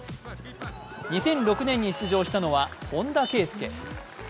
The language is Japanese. ２００６年に出場したのは本田圭佑。